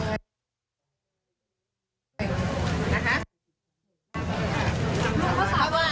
รู้สึกพวกเขาก็ว่า